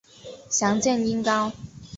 详见音高。